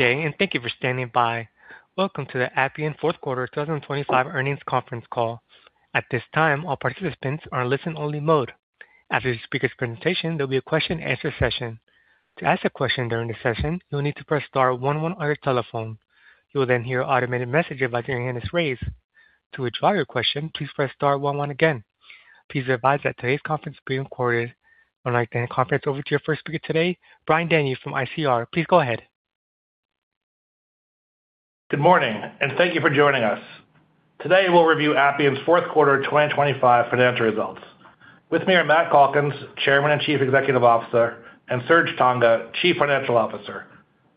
day, and thank you for standing by. Welcome to the Appian fourth quarter 2025 Earnings Conference Call. At this time, all participants are in listen-only mode. After the speaker's presentation, there'll be a question-and-answer session. To ask a question during the session, you'll need to press star one one on your telephone. You will then hear an automated message advising you on this raise. To withdraw your question, please press star one one again. Please be advised that today's conference is being recorded. I'd like to hand the conference over to your first speaker today, Brian Denyeau from ICR. Please go ahead. Good morning, and thank you for joining us. Today, we'll review Appian's fourth quarter 2025 financial results. With me are Matt Calkins, Chairman and Chief Executive Officer, and Serge Tanjga, Chief Financial Officer.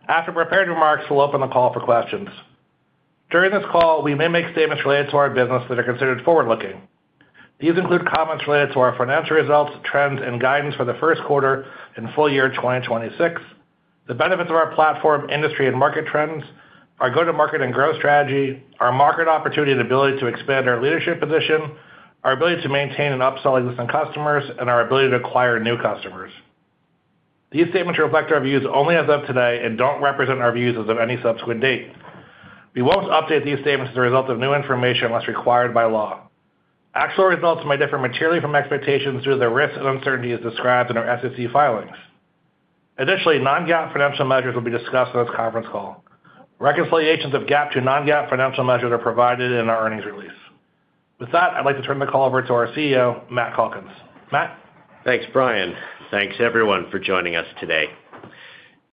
After prepared remarks, we'll open the call for questions. During this call, we may make statements related to our business that are considered forward-looking. These include comments related to our financial results, trends, and guidance for the first quarter and full year 2026, the benefits of our platform, industry, and market trends, our go-to-market and growth strategy, our market opportunity, and ability to expand our leadership position, our ability to maintain and upsell existing customers, and our ability to acquire new customers. These statements reflect our views only as of today and don't represent our views as of any subsequent date. We won't update these statements as a result of new information unless required by law. Actual results may differ materially from expectations due to the risks and uncertainties described in our SEC filings. Additionally, non-GAAP financial measures will be discussed in this conference call. Reconciliations of GAAP to non-GAAP financial measures are provided in our earnings release. With that, I'd like to turn the call over to our CEO, Matt Calkins. Matt? Thanks, Brian. Thanks, everyone, for joining us today.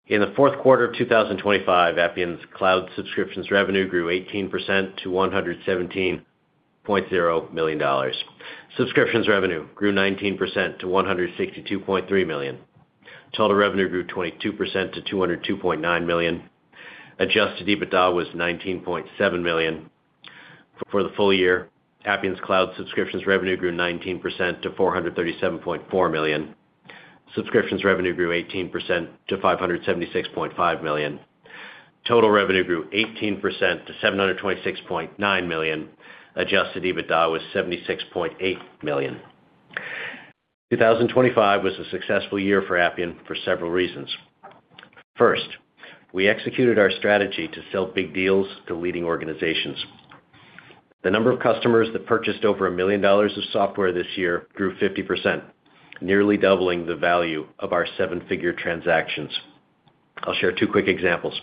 In the fourth quarter of 2025, Appian's cloud subscriptions revenue grew 18% to $117.0 million. Subscriptions revenue grew 19% to $162.3 million. Total revenue grew 22% to $202.9 million. Adjusted EBITDA was $19.7 million. For the full year, Appian's cloud subscriptions revenue grew 19% to $437.4 million. Subscriptions revenue grew 18% to $576.5 million. Total revenue grew 18% to $726.9 million. Adjusted EBITDA was $76.8 million. 2025 was a successful year for Appian for several reasons. First, we executed our strategy to sell big deals to leading organizations. The number of customers that purchased over $1 million of software this year grew 50%, nearly doubling the value of our seven-figure transactions. I'll share two quick examples.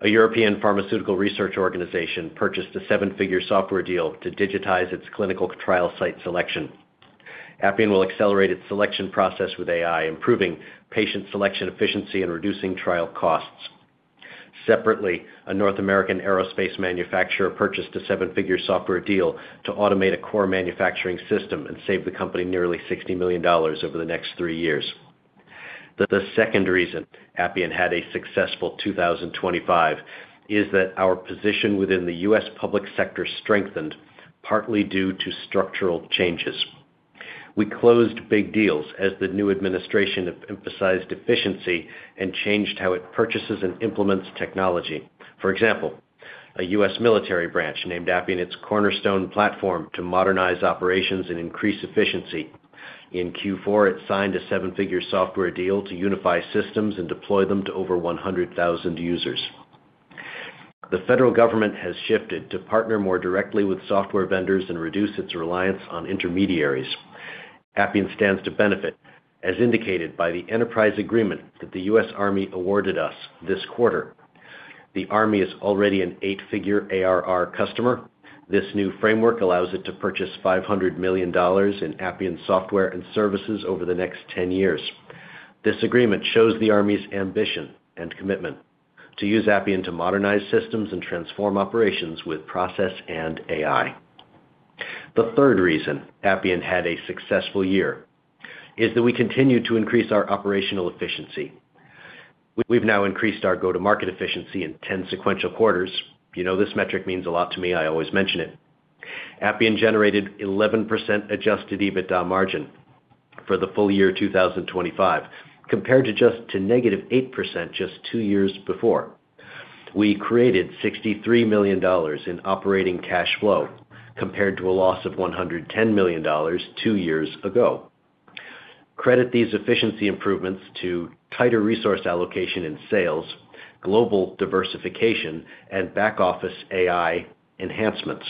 A European pharmaceutical research organization purchased a seven-figure software deal to digitize its clinical trial site selection. Appian will accelerate its selection process with AI, improving patient selection efficiency and reducing trial costs. Separately, a North American aerospace manufacturer purchased a seven-figure software deal to automate a core manufacturing system and save the company nearly $60 million over the next three years. The second reason Appian had a successful 2025 is that our position within the U.S. public sector strengthened, partly due to structural changes. We closed big deals as the new administration emphasized efficiency and changed how it purchases and implements technology. For example, a U.S. military branch named Appian as its cornerstone platform to modernize operations and increase efficiency. In Q4, it signed a seven-figure software deal to unify systems and deploy them to over 100,000 users. The federal government has shifted to partner more directly with software vendors and reduce its reliance on intermediaries. Appian stands to benefit, as indicated by the enterprise agreement that the U.S. Army awarded us this quarter. The Army is already an eight-figure ARR customer. This new framework allows it to purchase $500 million in Appian software and services over the next 10 years. This agreement shows the Army's ambition and commitment to use Appian to modernize systems and transform operations with process and AI. The third reason Appian had a successful year is that we continued to increase our operational efficiency. We've now increased our go-to-market efficiency in 10 sequential quarters. You know, this metric means a lot to me. I always mention it. Appian generated 11% adjusted EBITDA margin for the full year 2025, compared to just -8% just two years before. We created $63 million in operating cash flow, compared to a loss of $110 million two years ago. Credit these efficiency improvements to tighter resource allocation in sales, global diversification, and back-office AI enhancements.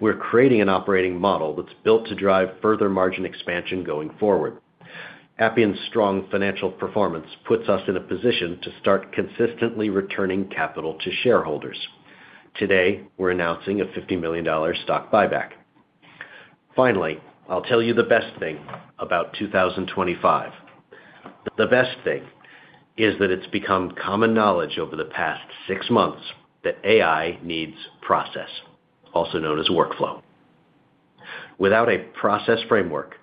We're creating an operating model that's built to drive further margin expansion going forward. Appian's strong financial performance puts us in a position to start consistently returning capital to shareholders. Today, we're announcing a $50 million stock buyback. Finally, I'll tell you the best thing about 2025. The best thing is that it's become common knowledge over the past six months that AI needs process, also known as workflow. Without a process framework,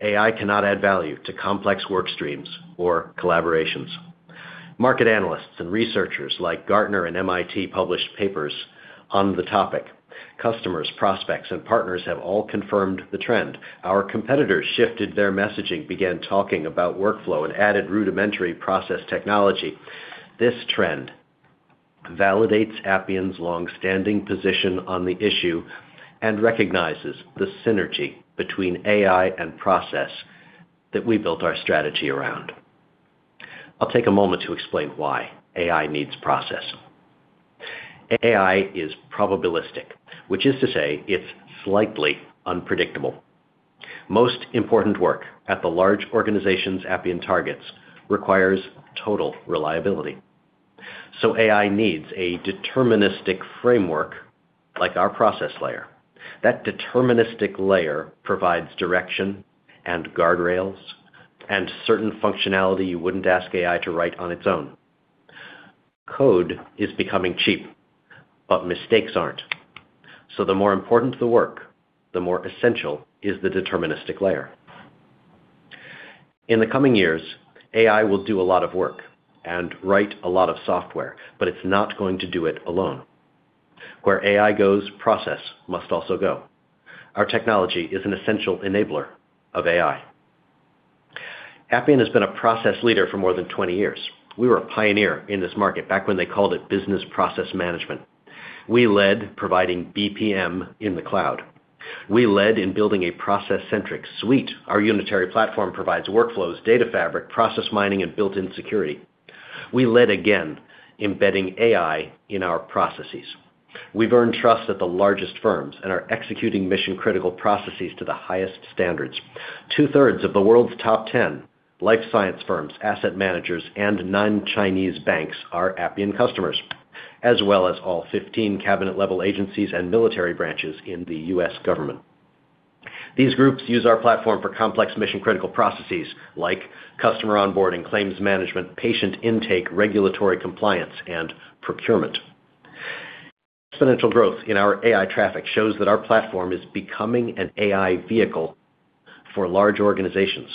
AI cannot add value to complex work streams or collaborations. Market analysts and researchers like Gartner and MIT published papers on the topic. Customers, prospects, and partners have all confirmed the trend. Our competitors shifted their messaging, began talking about workflow, and added rudimentary process technology. This trend validates Appian's long-standing position on the issue and recognizes the synergy between AI and process.... that we built our strategy around. I'll take a moment to explain why AI needs process. AI is probabilistic, which is to say it's slightly unpredictable. Most important work at the large organizations Appian targets requires total reliability. So AI needs a deterministic framework like our process layer. That deterministic layer provides direction and guardrails and certain functionality you wouldn't ask AI to write on its own. Code is becoming cheap, but mistakes aren't. So the more important the work, the more essential is the deterministic layer. In the coming years, AI will do a lot of work and write a lot of software, but it's not going to do it alone. Where AI goes, process must also go. Our technology is an essential enabler of AI. Appian has been a process leader for more than 20 years. We were a pioneer in this market back when they called it business process management. We led providing BPM in the cloud. We led in building a process-centric suite. Our unitary platform provides workflows, Data Fabric, Process Mining, and built-in security. We led again, embedding AI in our processes. We've earned trust at the largest firms and are executing mission-critical processes to the highest standards. 2/3 of the world's top 10 life science firms, asset managers, and non-Chinese banks are Appian customers, as well as all 15 cabinet-level agencies and military branches in the U.S. government. These groups use our platform for complex mission-critical processes like customer onboarding, claims management, patient intake, regulatory compliance, and procurement. Exponential growth in our AI traffic shows that our platform is becoming an AI vehicle for large organizations. AI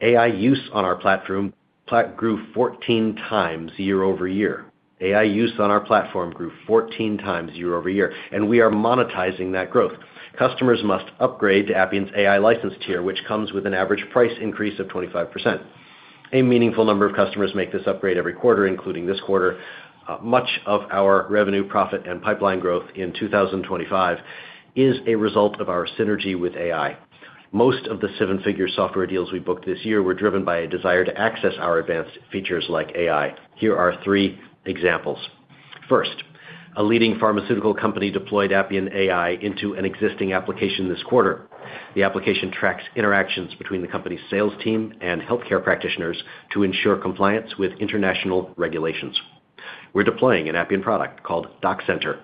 use on our platform platform grew 14 times year-over-year. AI use on our platform grew 14x year-over-year, and we are monetizing that growth. Customers must upgrade to Appian's AI license tier, which comes with an average price increase of 25%. A meaningful number of customers make this upgrade every quarter, including this quarter. Much of our revenue, profit, and pipeline growth in 2025 is a result of our synergy with AI. Most of the seven-figure software deals we booked this year were driven by a desire to access our advanced features like AI. Here are three examples. First, a leading pharmaceutical company deployed Appian AI into an existing application this quarter. The application tracks interactions between the company's sales team and healthcare practitioners to ensure compliance with international regulations. We're deploying an Appian product called DocCenter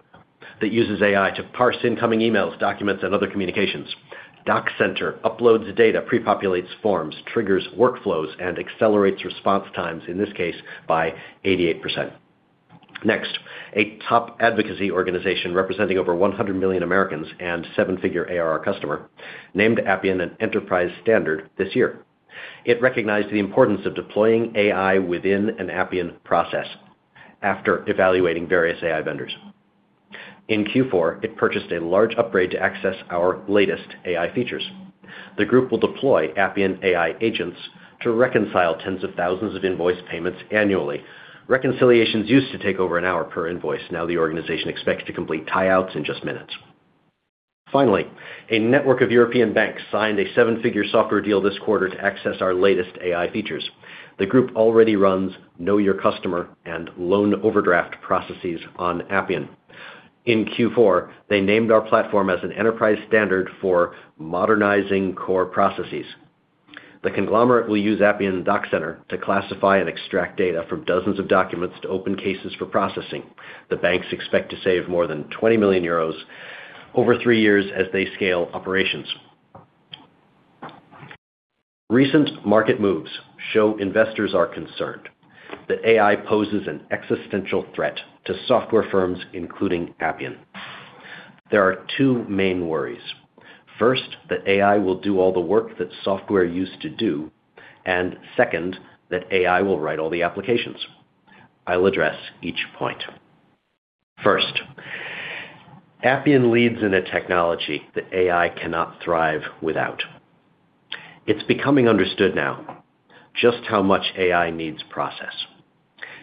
that uses AI to parse incoming emails, documents, and other communications. DocCenter uploads data, pre-populates forms, triggers workflows, and accelerates response times, in this case, by 88%. Next, a top advocacy organization representing over 100 million Americans and seven-figure ARR customer, named Appian an enterprise standard this year. It recognized the importance of deploying AI within an Appian process after evaluating various AI vendors. In Q4, it purchased a large upgrade to access our latest AI features. The group will deploy Appian AI agents to reconcile tens of thousands of invoice payments annually. Reconciliations used to take over an hour per invoice. Now the organization expects to complete tie-outs in just minutes. Finally, a network of European banks signed a seven-figure software deal this quarter to access our latest AI features. The group already runs Know Your Customer and loan overdraft processes on Appian. In Q4, they named our platform as an enterprise standard for modernizing core processes. The conglomerate will use Appian DocCenter to classify and extract data from dozens of documents to open cases for processing. The banks expect to save more than 20 million euros over three years as they scale operations. Recent market moves show investors are concerned that AI poses an existential threat to software firms, including Appian. There are two main worries. First, that AI will do all the work that software used to do, and second, that AI will write all the applications. I'll address each point. First, Appian leads in a technology that AI cannot thrive without. It's becoming understood now just how much AI needs process.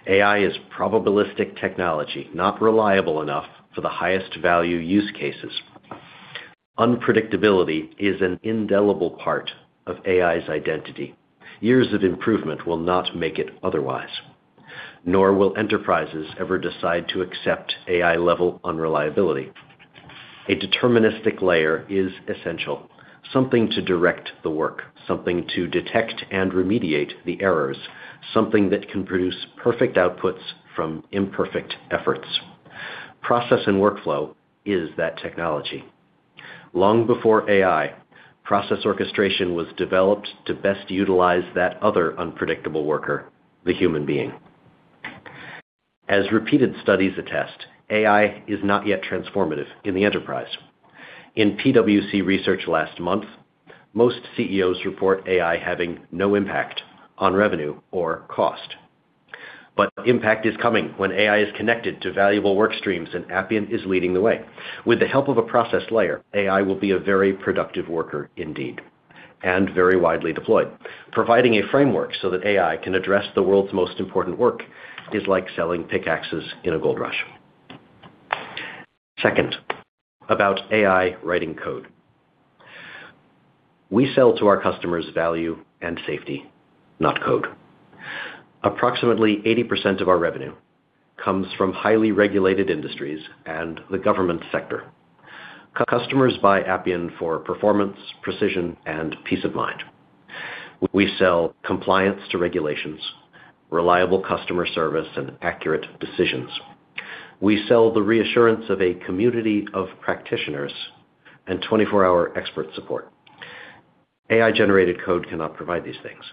AI is probabilistic technology, not reliable enough for the highest value use cases. Unpredictability is an indelible part of AI's identity. Years of improvement will not make it otherwise, nor will enterprises ever decide to accept AI-level unreliability. A deterministic layer is essential, something to direct the work, something to detect and remediate the errors, something that can produce perfect outputs from imperfect efforts. Process and workflow is that technology. Long before AI, process orchestration was developed to best utilize that other unpredictable worker, the human being. As repeated studies attest, AI is not yet transformative in the enterprise. In PwC's research last month, most CEOs report AI having no impact on revenue or cost. But impact is coming when AI is connected to valuable work streams, and Appian is leading the way. With the help of a process layer, AI will be a very productive worker indeed, and very widely deployed. Providing a framework so that AI can address the world's most important work is like selling pickaxes in a gold rush. Second, about AI writing code. We sell to our customers value and safety, not code. Approximately 80% of our revenue comes from highly regulated industries and the government sector. Customers buy Appian for performance, precision, and peace of mind. We sell compliance to regulations, reliable customer service, and accurate decisions. We sell the reassurance of a community of practitioners and 24-hour expert support. AI-generated code cannot provide these things.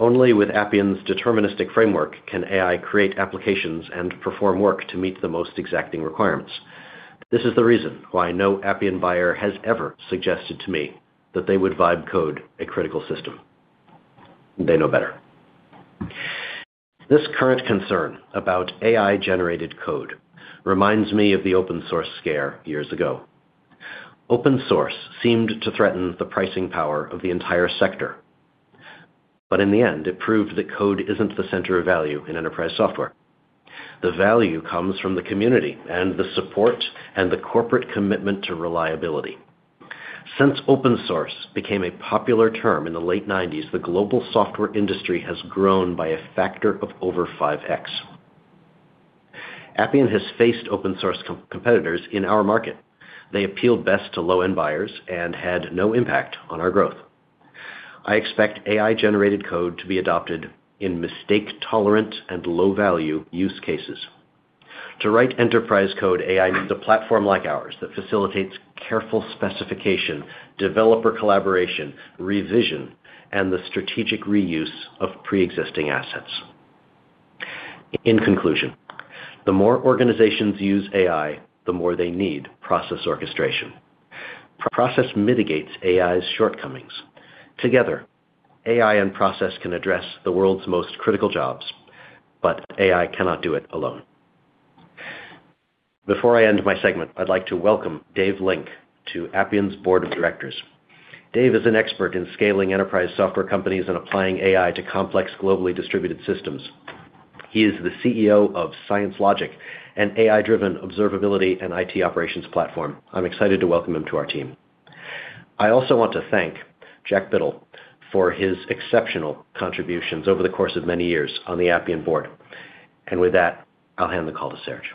Only with Appian's deterministic framework can AI create applications and perform work to meet the most exacting requirements. This is the reason why no Appian buyer has ever suggested to me that they would write code a critical system. They know better. This current concern about AI-generated code reminds me of the open source scare years ago. Open source seemed to threaten the pricing power of the entire sector, but in the end, it proved that code isn't the center of value in enterprise software. The value comes from the community, and the support, and the corporate commitment to reliability. Since open source became a popular term in the late nineties, the global software industry has grown by a factor of over 5x. Appian has faced open source competitors in our market. They appealed best to low-end buyers and had no impact on our growth. I expect AI-generated code to be adopted in mistake-tolerant and low-value use cases. To write enterprise code, AI needs a platform like ours that facilitates careful specification, developer collaboration, revision, and the strategic reuse of pre-existing assets. In conclusion, the more organizations use AI, the more they need process orchestration. Process mitigates AI's shortcomings. Together, AI and process can address the world's most critical jobs, but AI cannot do it alone. Before I end my segment, I'd like to welcome Dave Link to Appian's board of directors. Dave is an expert in scaling enterprise software companies and applying AI to complex, globally distributed systems. He is the CEO of ScienceLogic, an AI-driven observability and IT operations platform. I'm excited to welcome him to our team. I also want to thank Jack Biddle for his exceptional contributions over the course of many years on the Appian board. With that, I'll hand the call to Serge.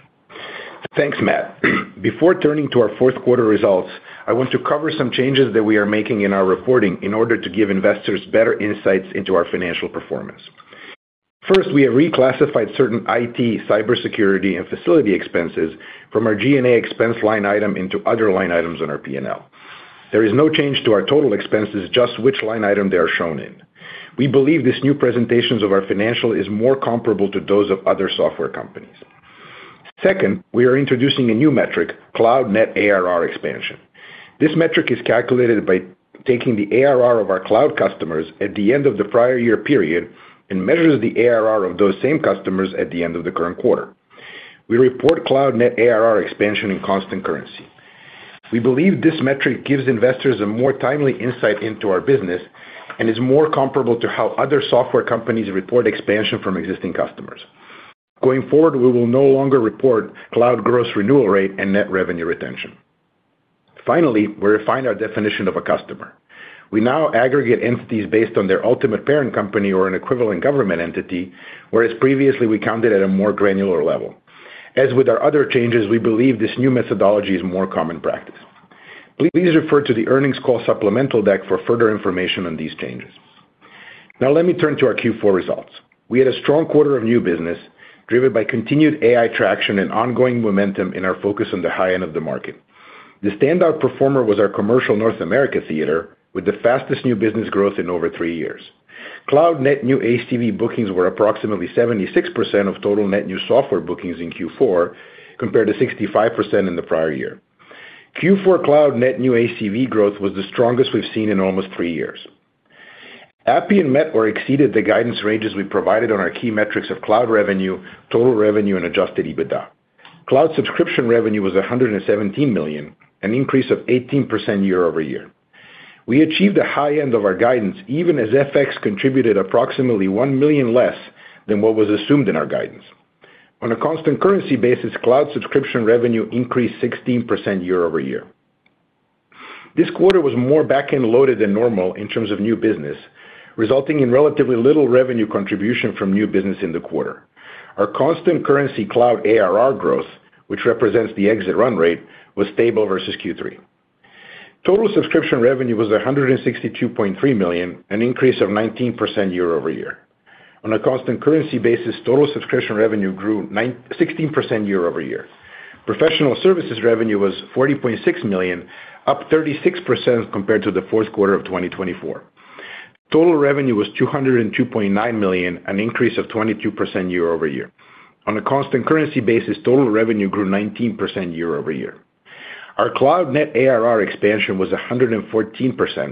Thanks, Matt. Before turning to our fourth quarter results, I want to cover some changes that we are making in our reporting in order to give investors better insights into our financial performance. First, we have reclassified certain IT, cybersecurity, and facility expenses from our G&A expense line item into other line items on our P&L. There is no change to our total expenses, just which line item they are shown in. We believe this new presentation of our financials is more comparable to those of other software companies. Second, we are introducing a new metric, Cloud Net ARR Expansion. This metric is calculated by taking the ARR of our cloud customers at the end of the prior year period and measures the ARR of those same customers at the end of the current quarter. We report cloud net ARR expansion in constant currency. We believe this metric gives investors a more timely insight into our business and is more comparable to how other software companies report expansion from existing customers. Going forward, we will no longer report cloud gross renewal rate and net revenue retention. Finally, we refined our definition of a customer. We now aggregate entities based on their ultimate parent company or an equivalent government entity, whereas previously, we counted at a more granular level. As with our other changes, we believe this new methodology is more common practice. Please refer to the earnings call supplemental deck for further information on these changes. Now let me turn to our Q4 results. We had a strong quarter of new business, driven by continued AI traction and ongoing momentum in our focus on the high end of the market. The standout performer was our commercial North America theater, with the fastest new business growth in over three years. Cloud net new ACV bookings were approximately 76% of total net new software bookings in Q4, compared to 65% in the prior year. Q4 cloud net new ACV growth was the strongest we've seen in almost three years. Appian met or exceeded the guidance ranges we provided on our key metrics of cloud revenue, total revenue, and Adjusted EBITDA. Cloud subscription revenue was $117 million, an increase of 18% year-over-year. We achieved the high end of our guidance, even as FX contributed approximately $1 million less than what was assumed in our guidance. On a constant currency basis, cloud subscription revenue increased 16% year-over-year. This quarter was more back-end loaded than normal in terms of new business, resulting in relatively little revenue contribution from new business in the quarter. Our constant currency cloud ARR growth, which represents the exit run rate, was stable versus Q3. Total subscription revenue was $162.3 million, an increase of 19% year-over-year. On a constant currency basis, total subscription revenue grew 16% year-over-year. Professional services revenue was $40.6 million, up 36% compared to the fourth quarter of 2024. Total revenue was $202.9 million, an increase of 22% year-over-year. On a constant currency basis, total revenue grew 19% year-over-year. Our Cloud Net ARR Expansion was 114%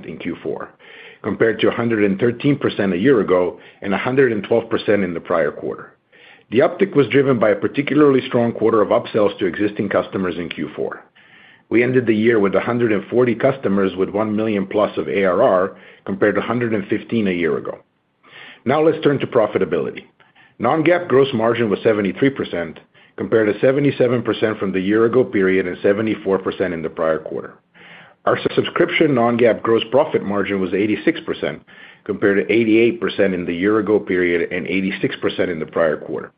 in Q4, compared to 113% a year ago and 112% in the prior quarter. The uptick was driven by a particularly strong quarter of upsells to existing customers in Q4. We ended the year with 140 customers, with 1 million-plus of ARR, compared to 115 a year ago. Now let's turn to profitability. Non-GAAP gross margin was 73%, compared to 77% from the year ago period, and 74% in the prior quarter. Our subscription non-GAAP gross profit margin was 86%, compared to 88% in the year ago period and 86% in the prior quarter.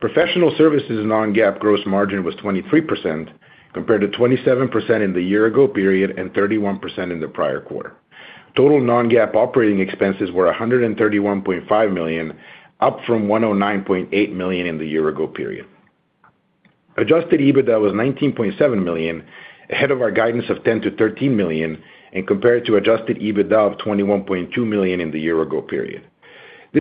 Professional services non-GAAP gross margin was 23%, compared to 27% in the year ago period and 31% in the prior quarter. Total non-GAAP operating expenses were $131.5 million, up from $109.8 million in the year ago period. Adjusted EBITDA was $19.7 million, ahead of our guidance of $10 million-$13 million, and compared to adjusted EBITDA of $21.2 million in the year ago period.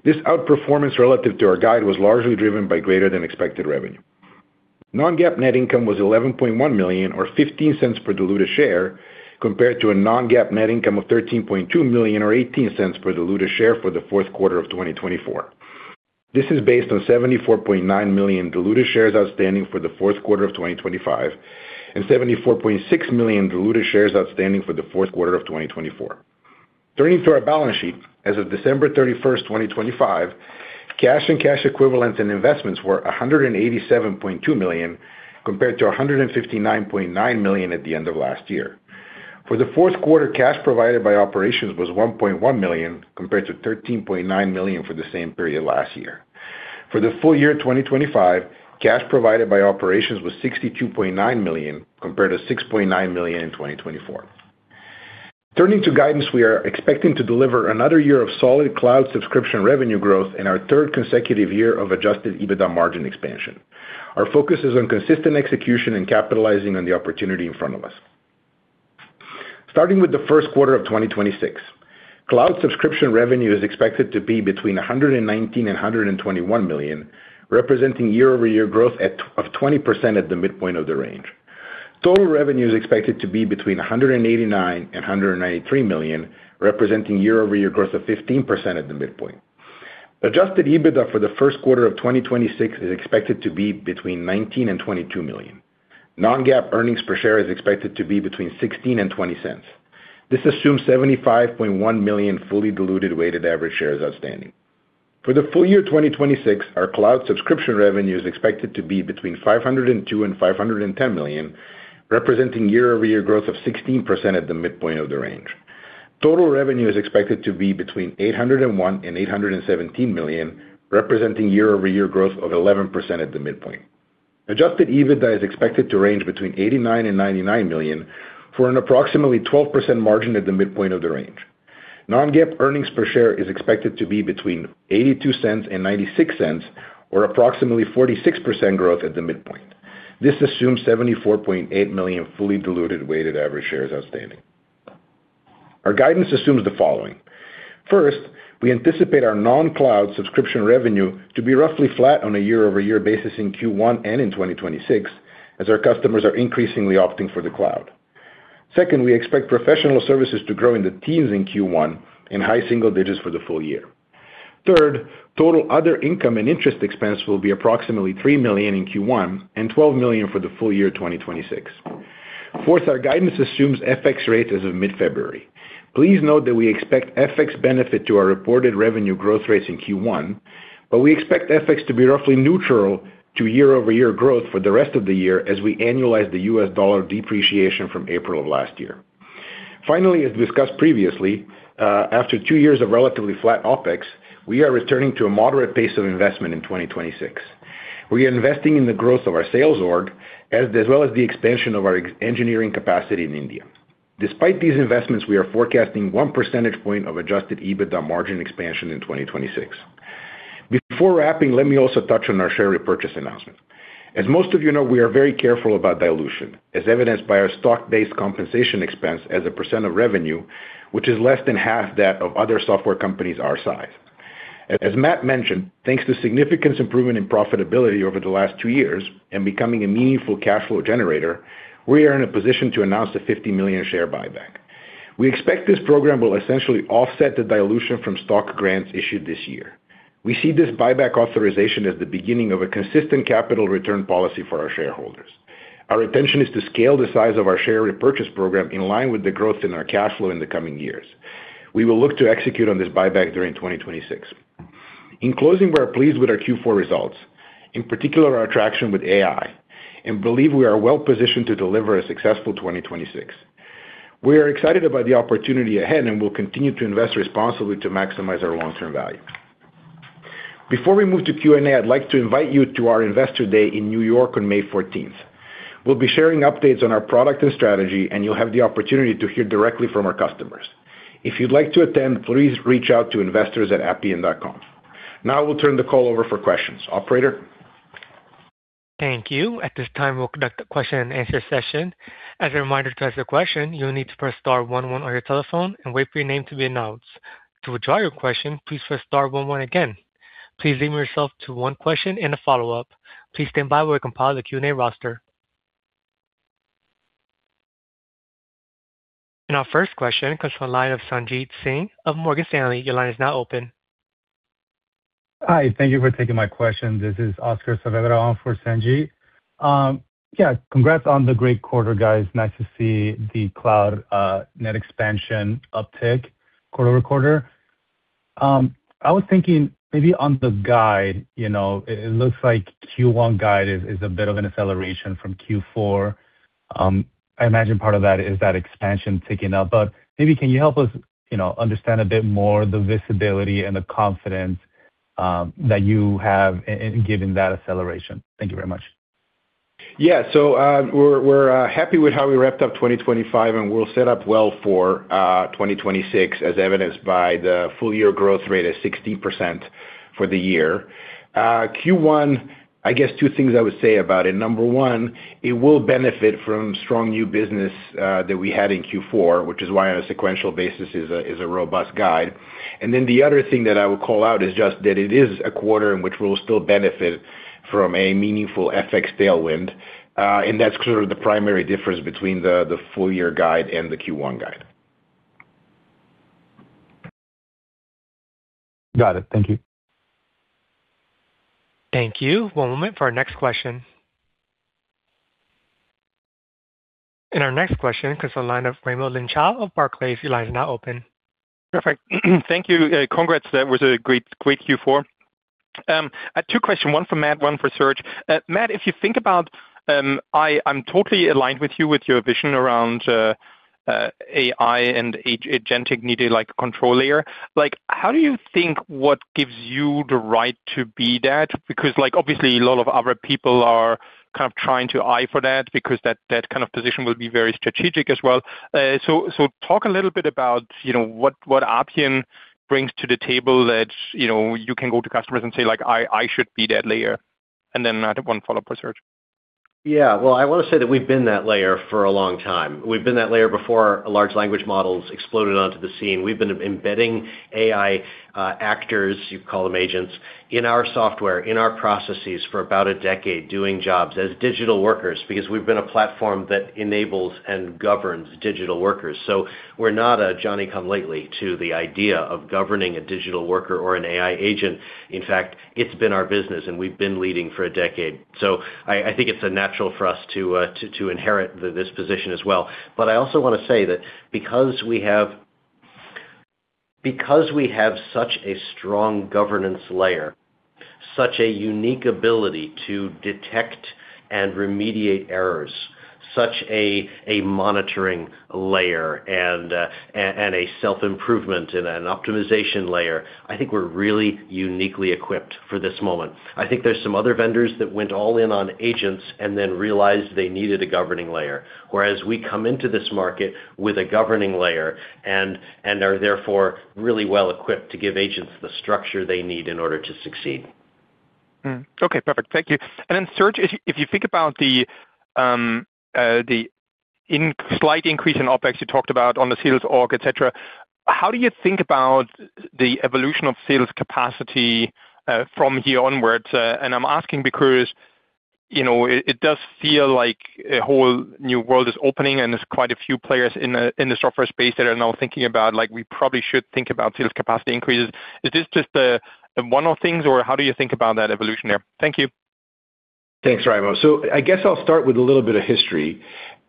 This outperformance relative to our guide was largely driven by greater than expected revenue. Non-GAAP net income was $11.1 million, or $0.15 per diluted share, compared to a non-GAAP net income of $13.2 million, or $0.18 per diluted share for the fourth quarter of 2024. This is based on $74.9 million diluted shares outstanding for the fourth quarter of 2025, and $74.6 million diluted shares outstanding for the fourth quarter of 2024. Turning to our balance sheet, as of December 31, 2025, cash and cash equivalents and investments were $187.2 million, compared to $159.9 million at the end of last year. For the fourth quarter, cash provided by operations was $1.1 million, compared to $13.9 million for the same period last year. For the full year 2025, cash provided by operations was $62.9 million, compared to $6.9 million in 2024. Turning to guidance, we are expecting to deliver another year of solid cloud subscription revenue growth in our third consecutive year of Adjusted EBITDA margin expansion. Our focus is on consistent execution and capitalizing on the opportunity in front of us. Starting with the first quarter of 2026, cloud subscription revenue is expected to be between $119 million and $121 million, representing year-over-year growth of 20% at the midpoint of the range. Total revenue is expected to be between $189 million and $193 million, representing year-over-year growth of 15% at the midpoint. Adjusted EBITDA for the first quarter of 2026 is expected to be between $19 million and $22 million. Non-GAAP earnings per share is expected to be between 16 cents and 20 cents. This assumes 75.1 million fully diluted weighted average shares outstanding. For the full year 2026, our cloud subscription revenue is expected to be between $502 million and $510 million, representing year-over-year growth of 16% at the midpoint of the range. Total revenue is expected to be between $801 million and $817 million, representing year-over-year growth of 11% at the midpoint. Adjusted EBITDA is expected to range between $89 million and $99 million, for an approximately 12% margin at the midpoint of the range. Non-GAAP earnings per share is expected to be between $0.82 and $0.96, or approximately 46% growth at the midpoint. This assumes 74.8 million fully diluted weighted average shares outstanding. Our guidance assumes the following: First, we anticipate our non-cloud subscription revenue to be roughly flat on a year-over-year basis in Q1 and in 2026, as our customers are increasingly opting for the cloud. Second, we expect professional services to grow in the teens in Q1, in high single digits for the full year. Third, total other income and interest expense will be approximately $3 million in Q1 and $12 million for the full year 2026. Fourth, our guidance assumes FX rate as of mid-February. Please note that we expect FX benefit to our reported revenue growth rates in Q1, but we expect FX to be roughly neutral to year-over-year growth for the rest of the year as we annualize the U.S dollar depreciation from April of last year. Finally, as discussed previously, after two years of relatively flat OpEx, we are returning to a moderate pace of investment in 2026. We are investing in the growth of our sales org, as well as the expansion of our engineering capacity in India. Despite these investments, we are forecasting one percentage point of Adjusted EBITDA margin expansion in 2026. Before wrapping, let me also touch on our share repurchase announcement. As most of you know, we are very careful about dilution, as evidenced by our stock-based compensation expense as a % of revenue, which is less than half that of other software companies our size. As Matt mentioned, thanks to significant improvement in profitability over the last two years and becoming a meaningful cash flow generator, we are in a position to announce a $50 million share buyback. We expect this program will essentially offset the dilution from stock grants issued this year. We see this buyback authorization as the beginning of a consistent capital return policy for our shareholders. Our intention is to scale the size of our share repurchase program in line with the growth in our cash flow in the coming years. We will look to execute on this buyback during 2026. In closing, we are pleased with our Q4 results, in particular, our traction with AI, and believe we are well positioned to deliver a successful 2026. We are excited about the opportunity ahead, and we'll continue to invest responsibly to maximize our long-term value. Before we move to Q&A, I'd like to invite you to our Investor Day in New York on May 14th. We'll be sharing updates on our product and strategy, and you'll have the opportunity to hear directly from our customers. If you'd like to attend, please reach out to investors at Appian.com. Now I will turn the call over for questions. Operator? Thank you. At this time, we'll conduct a question-and-answer session. As a reminder, to ask a question, you'll need to press star one one on your telephone and wait for your name to be announced. To withdraw your question, please press star one one again. Please limit yourself to one question and a follow-up. Please stand by while we compile the Q&A roster. Our first question comes from the line of Sanjit Singh of Morgan Stanley. Your line is now open. Hi, thank you for taking my question. This is Oscar Saavedra for Sanjit. Yeah, congrats on the great quarter, guys. Nice to see the cloud net expansion uptick quarter-over-quarter. I was thinking maybe on the guide, you know, it looks like Q1 guide is a bit of an acceleration from Q4. I imagine part of that is that expansion ticking up. But maybe can you help us, you know, understand a bit more the visibility and the confidence that you have in given that acceleration? Thank you very much. Yeah. So, we're happy with how we wrapped up 2025, and we're set up well for 2026, as evidenced by the full year growth rate at 60% for the year. Q1, I guess two things I would say about it. Number one, it will benefit from strong new business that we had in Q4, which is why on a sequential basis it is a robust guide. And then the other thing that I would call out is just that it is a quarter in which we'll still benefit from a meaningful FX tailwind. And that's sort of the primary difference between the full year guide and the Q1 guide. Got it. Thank you. Thank you. One moment for our next question. Our next question comes from the line of Raimo Lenschow of Barclays. Your line is now open. Perfect. Thank you. Congrats. That was a great, great Q4. I have two questions, one for Matt, one for Serge. Matt, if you think about, I, I'm totally aligned with you with your vision around, AI and agentic needing like control layer. Like, how do you think what gives you the right to be that? Because, like, obviously, a lot of other people are kind of trying to vie for that because that, that kind of position will be very strategic as well. So, so talk a little bit about, you know, what, what Appian brings to the table that, you know, you can go to customers and say, like: I, I should be that layer. And then I have one follow-up for Serge. Yeah. Well, I wanna say that we've been that layer for a long time. We've been that layer before large language models exploded onto the scene. We've been embedding AI actors, you call them agents, in our software, in our processes for about a decade, doing jobs as digital workers, because we've been a platform that enables and governs digital workers. So we're not a Johnny come lately to the idea of governing a digital worker or an AI agent. In fact, it's been our business, and we've been leading for a decade. So I think it's a natural for us to inherit this position as well. But I also wanna say that because we have... Because we have such a strong governance layer, such a unique ability to detect and remediate errors, such a monitoring layer and a self-improvement and an optimization layer, I think we're really uniquely equipped for this moment. I think there's some other vendors that went all in on agents and then realized they needed a governing layer, whereas we come into this market with a governing layer and are therefore really well equipped to give agents the structure they need in order to succeed. Okay, perfect. Thank you. And then, Serge, if you think about the slight increase in OpEx you talked about on the sales org, et cetera, how do you think about the evolution of sales capacity from here onwards? And I'm asking because, you know, it does feel like a whole new world is opening, and there's quite a few players in the software space that are now thinking about, like, we probably should think about sales capacity increases. Is this just a one-off thing, or how do you think about that evolution there? Thank you. Thanks, Raimo. So I guess I'll start with a little bit of history.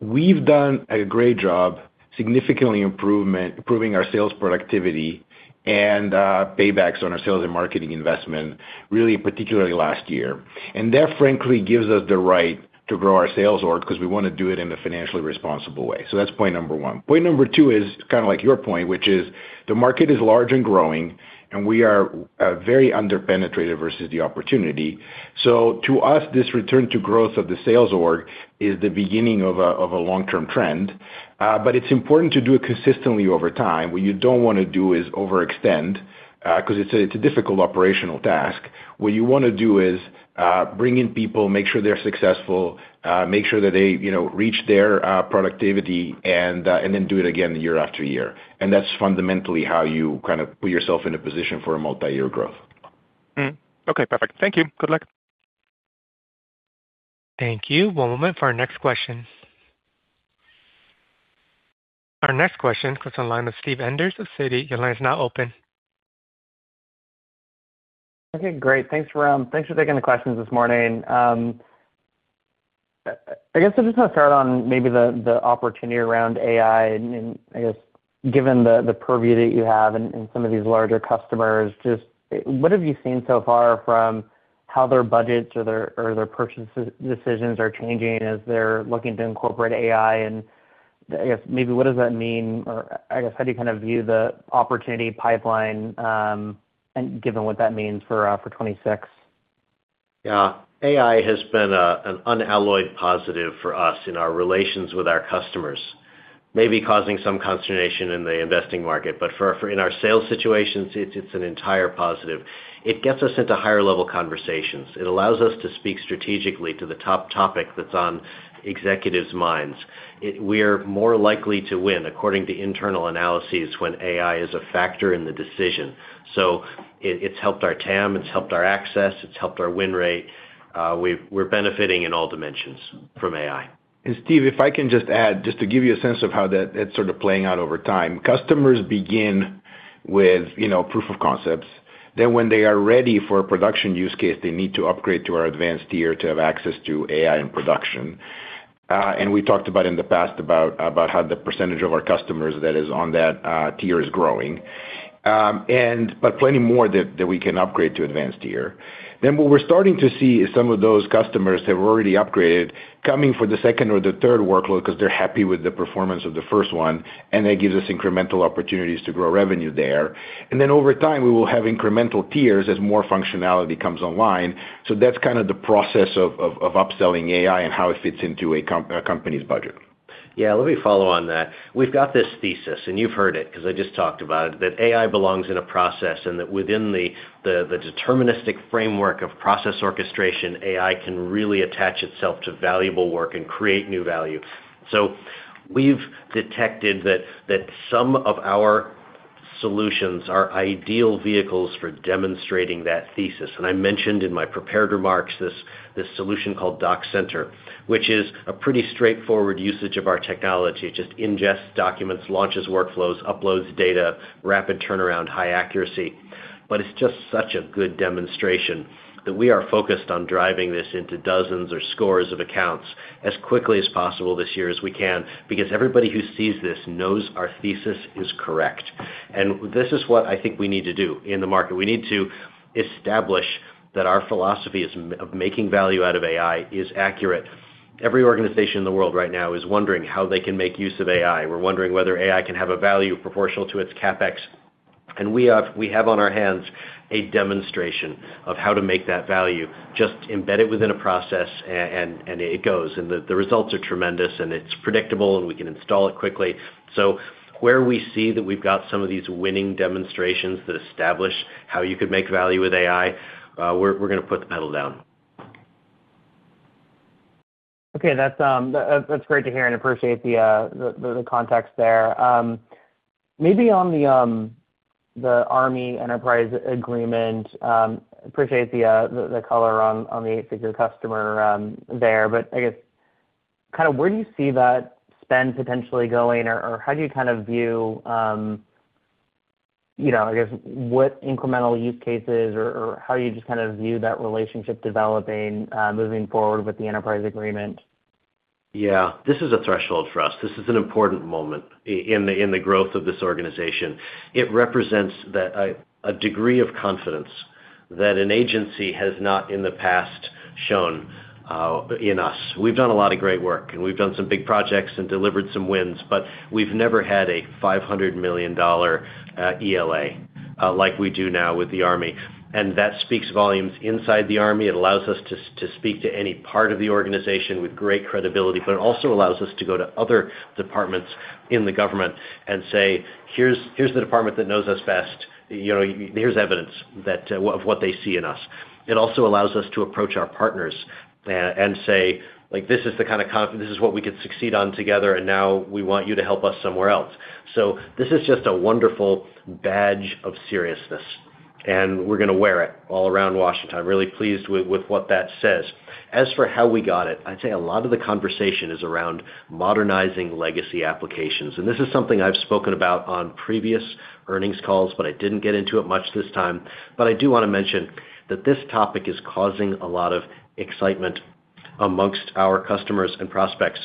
We've done a great job significantly improving our sales productivity and paybacks on our sales and marketing investment, really, particularly last year. And that, frankly, gives us the right to grow our sales org because we wanna do it in a financially responsible way. So that's point number one. Point number two is kind of like your point, which is the market is large and growing, and we are very under-penetrated versus the opportunity. So to us, this return to growth of the sales org is the beginning of a long-term trend. But it's important to do it consistently over time. What you don't wanna do is overextend, 'cause it's a difficult operational task. What you wanna do is bring in people, make sure they're successful, make sure that they, you know, reach their productivity, and then do it again year after year. That's fundamentally how you kind of put yourself in a position for a multi-year growth. Hmm. Okay, perfect. Thank you. Good luck. Thank you. One moment for our next question. Our next question comes on the line with Steve Enders of Citi. Your line is now open. Okay, great. Thanks for, thanks for taking the questions this morning. I guess I'm just gonna start on maybe the, the opportunity around AI, and, and I guess given the, the purview that you have in, in some of these larger customers, just, what have you seen so far from how their budgets or their, or their purchase decisions are changing as they're looking to incorporate AI? And I guess maybe what does that mean, or I guess, how do you kind of view the opportunity pipeline, and given what that means for, for 2026? Yeah. AI has been an unalloyed positive for us in our relations with our customers. Maybe causing some consternation in the investing market, but for in our sales situations, it's an entire positive. It gets us into higher-level conversations. It allows us to speak strategically to the top topic that's on executives' minds. We are more likely to win, according to internal analyses, when AI is a factor in the decision. So it's helped our TAM, it's helped our access, it's helped our win rate. We're benefiting in all dimensions from AI. And Steve, if I can just add, just to give you a sense of how that it's sort of playing out over time. Customers begin with, you know, proof of concepts. Then when they are ready for a production use case, they need to upgrade to our advanced tier to have access to AI and production. And we talked about in the past about how the percentage of our customers that is on that tier is growing. And but plenty more that we can upgrade to advanced tier. Then what we're starting to see is some of those customers that have already upgraded, coming for the second or the third workload because they're happy with the performance of the first one, and that gives us incremental opportunities to grow revenue there. And then over time, we will have incremental tiers as more functionality comes online. So that's kind of the process of upselling AI and how it fits into a company's budget. Yeah, let me follow on that. We've got this thesis, and you've heard it because I just talked about it, that AI belongs in a process, and that within the deterministic framework of process orchestration, AI can really attach itself to valuable work and create new value. So we've detected that some of our solutions are ideal vehicles for demonstrating that thesis. And I mentioned in my prepared remarks, this solution called DocCenter, which is a pretty straightforward usage of our technology. It just ingests documents, launches workflows, uploads data, rapid turnaround, high accuracy. But it's just such a good demonstration that we are focused on driving this into dozens or scores of accounts as quickly as possible this year as we can, because everybody who sees this knows our thesis is correct. And this is what I think we need to do in the market. We need to establish that our philosophy is of making value out of AI is accurate. Every organization in the world right now is wondering how they can make use of AI, or wondering whether AI can have a value proportional to its CapEx. And we have on our hands a demonstration of how to make that value just embedded within a process, and it goes, and the results are tremendous, and it's predictable, and we can install it quickly. So where we see that we've got some of these winning demonstrations that establish how you could make value with AI, we're gonna put the pedal down. Okay, that's great to hear and appreciate the context there. Maybe on the Army enterprise agreement, appreciate the color on the eight-figure customer there. But I guess, kind of where do you see that spend potentially going? Or how do you kind of view, you know, I guess, what incremental use cases or how you just kind of view that relationship developing moving forward with the enterprise agreement? Yeah, this is a threshold for us. This is an important moment in the growth of this organization. It represents a degree of confidence that an agency has not in the past shown in us. We've done a lot of great work, and we've done some big projects and delivered some wins, but we've never had a $500 million ELA like we do now with the Army. And that speaks volumes inside the Army. It allows us to speak to any part of the organization with great credibility, but it also allows us to go to other departments in the government and say, "Here's the department that knows us best. You know, here's evidence that of what they see in us. It also allows us to approach our partners and say, like, "This is the kind of this is what we could succeed on together, and now we want you to help us somewhere else." So this is just a wonderful badge of seriousness, and we're gonna wear it all around Washington. I'm really pleased with what that says. As for how we got it, I'd say a lot of the conversation is around modernizing legacy applications, and this is something I've spoken about on previous earnings calls, but I didn't get into it much this time. But I do wanna mention that this topic is causing a lot of excitement among our customers and prospects.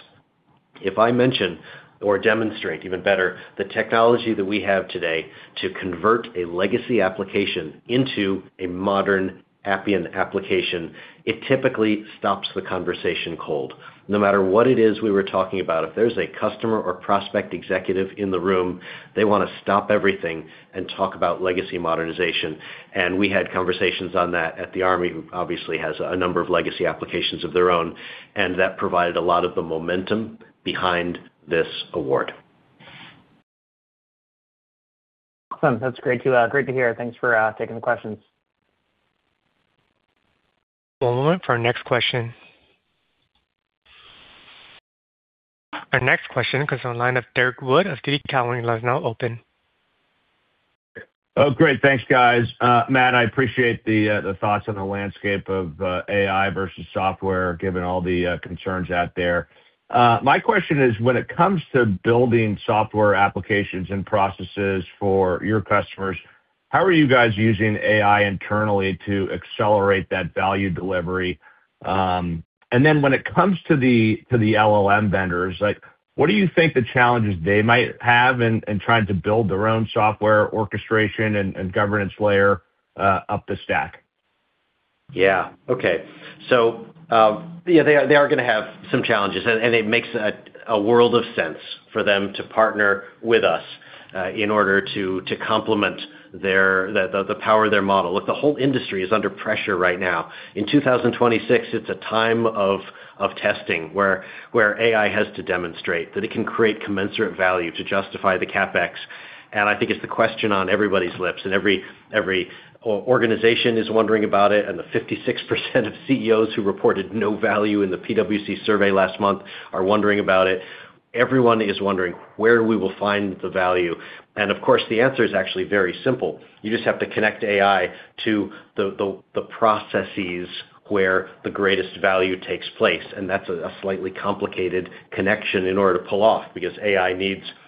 If I mention or demonstrate, even better, the technology that we have today to convert a legacy application into a modern Appian application, it typically stops the conversation cold. No matter what it is we were talking about, if there's a customer or prospect executive in the room, they wanna stop everything and talk about legacy modernization. And we had conversations on that at the Army, who obviously has a number of legacy applications of their own, and that provided a lot of the momentum behind this award. Awesome! That's great to hear. Thanks for taking the questions. One moment for our next question. Our next question comes on the line of Derrick Wood of TD Cowen. Your line is now open. Oh, great. Thanks, guys. Matt, I appreciate the thoughts on the landscape of AI versus software, given all the concerns out there. My question is, when it comes to building software applications and processes for your customers, how are you guys using AI internally to accelerate that value delivery? And then when it comes to the, to the LLM vendors, like, what do you think the challenges they might have in, in trying to build their own software, orchestration, and, and governance layer up the stack? Yeah. Okay. So, yeah, they are gonna have some challenges, and it makes a world of sense for them to partner with us, in order to complement their—the power of their model. Look, the whole industry is under pressure right now. In 2026, it's a time of testing, where AI has to demonstrate that it can create commensurate value to justify the CapEx, and I think it's the question on everybody's lips, and every organization is wondering about it, and the 56% of CEOs who reported no value in the PwC survey last month are wondering about it.... everyone is wondering where we will find the value. And of course, the answer is actually very simple: You just have to connect AI to the processes where the greatest value takes place, and that's a slightly complicated connection in order to pull off, because AI needs a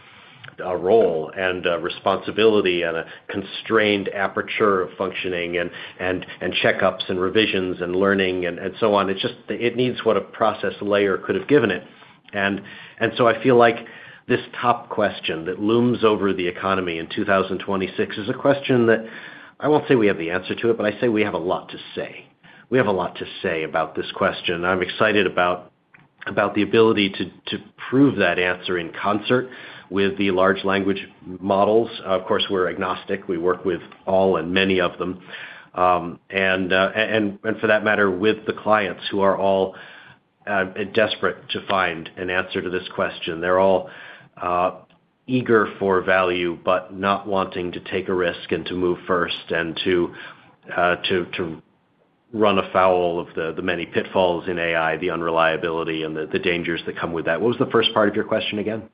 role and a responsibility and a constrained aperture of functioning and checkups and revisions and learning and so on. It's just—it needs what a process layer could have given it. And so I feel like this top question that looms over the economy in 2026 is a question that I won't say we have the answer to it, but I say we have a lot to say. We have a lot to say about this question. I'm excited about the ability to prove that answer in concert with the large language models. Of course, we're agnostic. We work with all and many of them, and for that matter, with the clients who are all desperate to find an answer to this question. They're all eager for value, but not wanting to take a risk and to move first and to run afoul of the many pitfalls in AI, the unreliability and the dangers that come with that. What was the first part of your question again?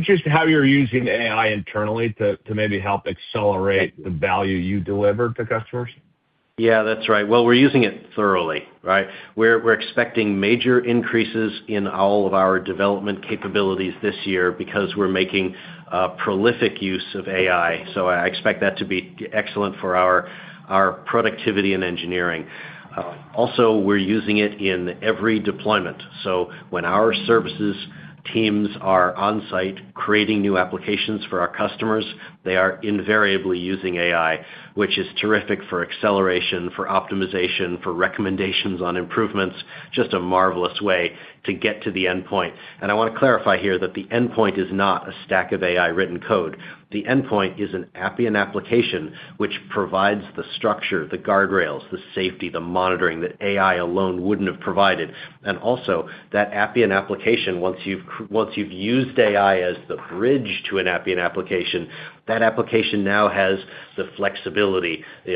Just how you're using AI internally to maybe help accelerate the value you deliver to customers. Yeah, that's right. Well, we're using it thoroughly, right? We're, we're expecting major increases in all of our development capabilities this year because we're making prolific use of AI, so I expect that to be excellent for our, our productivity and engineering. Also, we're using it in every deployment. So when our services teams are on site creating new applications for our customers, they are invariably using AI, which is terrific for acceleration, for optimization, for recommendations on improvements, just a marvelous way to get to the endpoint. And I want to clarify here that the endpoint is not a stack of AI-written code. The endpoint is an Appian application, which provides the structure, the guardrails, the safety, the monitoring that AI alone wouldn't have provided. Also, that Appian application, once you've used AI as the bridge to an Appian application, that application now has the flexibility, the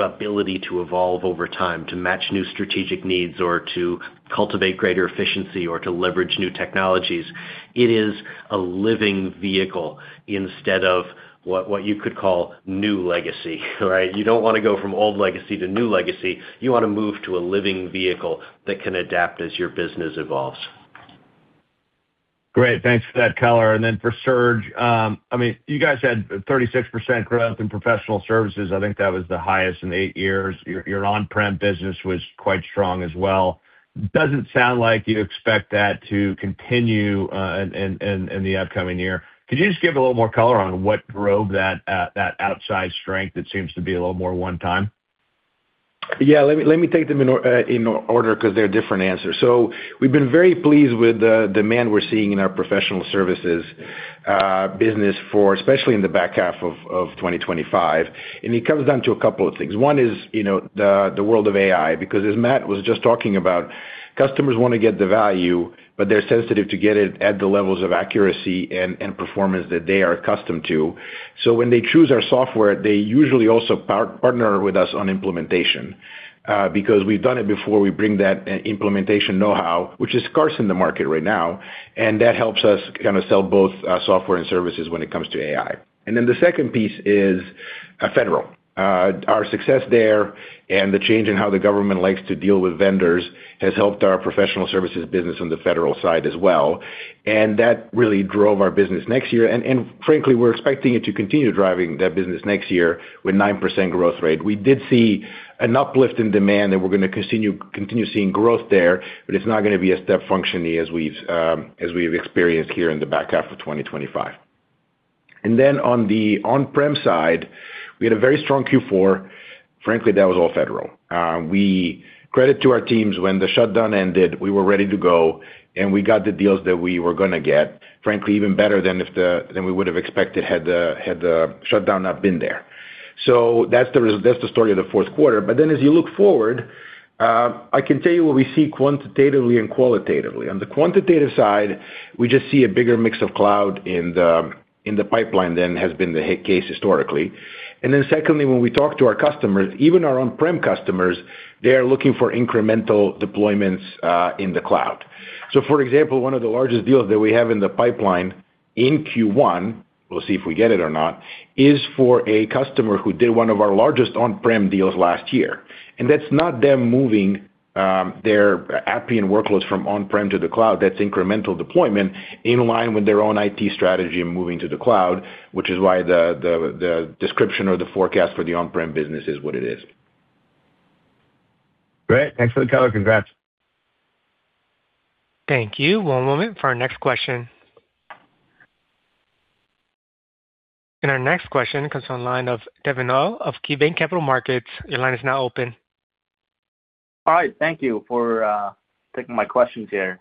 ability to evolve over time, to match new strategic needs or to cultivate greater efficiency or to leverage new technologies. It is a living vehicle instead of what you could call new legacy, right? You don't want to go from old legacy to new legacy. You want to move to a living vehicle that can adapt as your business evolves. Great. Thanks for that color. And then for Serge, I mean, you guys had 36% growth in professional services. I think that was the highest in eight years. Your on-prem business was quite strong as well. Does it sound like you'd expect that to continue in the upcoming year? Could you just give a little more color on what drove that that outsized strength that seems to be a little more one time? Yeah, let me, let me take them in order, 'cause they're different answers. So we've been very pleased with the demand we're seeing in our professional services business for especially in the back half of 2025, and it comes down to a couple of things. One is, you know, the world of AI, because as Matt was just talking about, customers want to get the value, but they're sensitive to get it at the levels of accuracy and performance that they are accustomed to. So when they choose our software, they usually also partner with us on implementation, because we've done it before. We bring that implementation know-how, which is scarce in the market right now, and that helps us kinda sell both software and services when it comes to AI. And then the second piece is federal. Our success there and the change in how the government likes to deal with vendors has helped our professional services business on the federal side as well, and that really drove our business next year. And frankly, we're expecting it to continue driving that business next year with 9% growth rate. We did see an uplift in demand, and we're gonna continue seeing growth there, but it's not gonna be a step function as we've experienced here in the back half of 2025. And then on the on-prem side, we had a very strong Q4. Frankly, that was all federal. We... Credit to our teams, when the shutdown ended, we were ready to go, and we got the deals that we were gonna get, frankly, even better than if the than we would have expected had the shutdown not been there. So that's the story of the fourth quarter. But then, as you look forward, I can tell you what we see quantitatively and qualitatively. On the quantitative side, we just see a bigger mix of cloud in the pipeline than has been the case historically. And then secondly, when we talk to our customers, even our on-prem customers, they are looking for incremental deployments in the cloud. So for example, one of the largest deals that we have in the pipeline in Q1, we'll see if we get it or not, is for a customer who did one of our largest on-prem deals last year. And that's not them moving their Appian workloads from on-prem to the cloud, that's incremental deployment in line with their own IT strategy and moving to the cloud, which is why the description or the forecast for the on-prem business is what it is. Great. Thanks for the color. Congrats. Thank you. One moment for our next question. Our next question comes on the line of Devin Au of KeyBanc Capital Markets. Your line is now open. All right. Thank you for taking my questions here.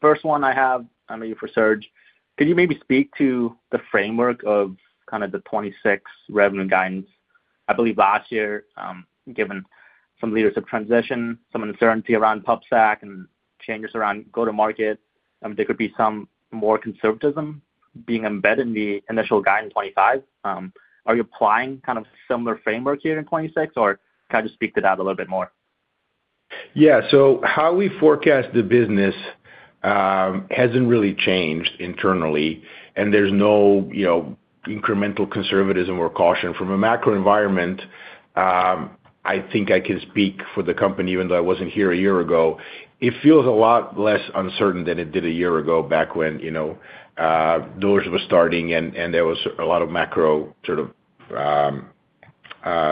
First one I have, I mean, for Serge, could you maybe speak to the framework of kind of the 2026 revenue guidance? I believe last year, given some leadership transition, some uncertainty around PubSec and changes around go-to-market, there could be some more conservatism being embedded in the initial guidance in 2025. Are you applying kind of similar framework here in 2026, or kind of just speak to that a little bit more? ... Yeah, so how we forecast the business hasn't really changed internally, and there's no, you know, incremental conservatism or caution. From a macro environment, I think I can speak for the company, even though I wasn't here a year ago. It feels a lot less uncertain than it did a year ago, back when, you know, doors were starting and there was a lot of macro sort of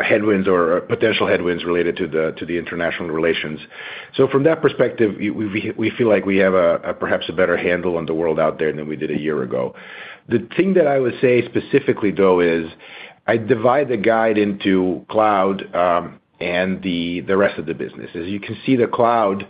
headwinds or potential headwinds related to the international relations. So from that perspective, we feel like we have a perhaps a better handle on the world out there than we did a year ago. The thing that I would say specifically, though, is I divide the guide into cloud and the rest of the business. As you can see, the cloud,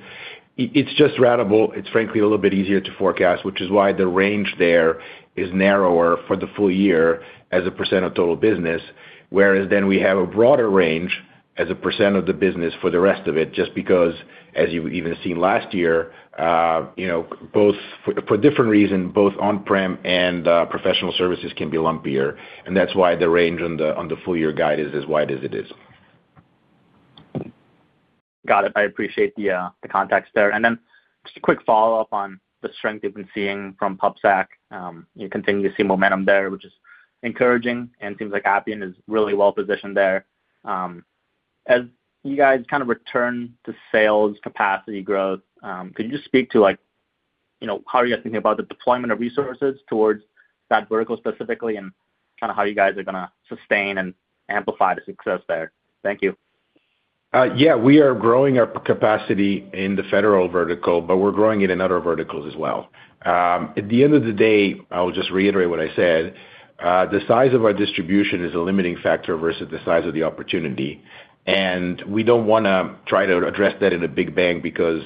it's just ratable. It's frankly a little bit easier to forecast, which is why the range there is narrower for the full year as a percent of total business. Whereas then we have a broader range as a percent of the business for the rest of it, just because, as you've even seen last year, you know, both on-prem and professional services can be lumpier for different reasons, and that's why the range on the full year guide is as wide as it is. Got it. I appreciate the the context there. Then just a quick follow-up on the strength you've been seeing from PubSec. You continue to see momentum there, which is encouraging, and seems like Appian is really well positioned there. As you guys kind of return to sales capacity growth, could you just speak to, like, you know, how are you guys thinking about the deployment of resources towards that vertical specifically, and kind of how you guys are gonna sustain and amplify the success there? Thank you. Yeah, we are growing our capacity in the federal vertical, but we're growing it in other verticals as well. At the end of the day, I will just reiterate what I said, the size of our distribution is a limiting factor versus the size of the opportunity, and we don't wanna try to address that in a big bang because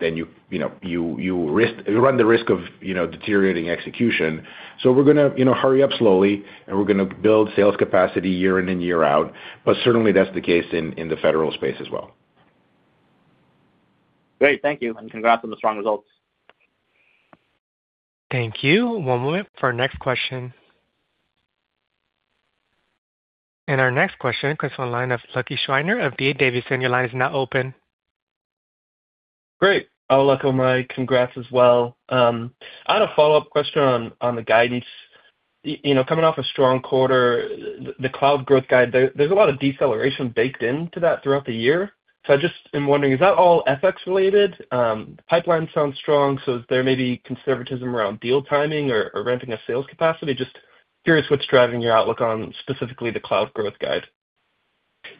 then you know you risk you run the risk of you know deteriorating execution. So we're gonna you know hurry up slowly and we're gonna build sales capacity year in and year out. But certainly that's the case in the federal space as well. Great. Thank you, and congrats on the strong results. Thank you. One moment for our next question. Our next question comes on the line of Lucky Schreiner of D.A. Davidson. Your line is now open. Great. Hello, Congrats as well. I had a follow-up question on the guidance. You know, coming off a strong quarter, the cloud growth guide, there's a lot of deceleration baked into that throughout the year. So I just am wondering, is that all FX related? Pipeline sounds strong, so is there maybe conservatism around deal timing or ramping of sales capacity? Just curious what's driving your outlook on specifically the cloud growth guide.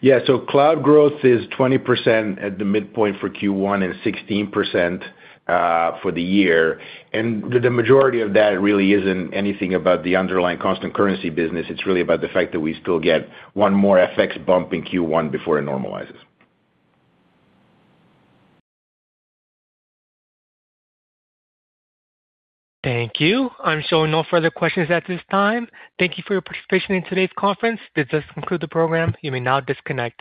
Yeah, so cloud growth is 20% at the midpoint for Q1 and 16%, for the year, and the majority of that really isn't anything about the underlying constant currency business. It's really about the fact that we still get one more FX bump in Q1 before it normalizes. Thank you. I'm showing no further questions at this time. Thank you for your participation in today's conference. This does conclude the program. You may now disconnect.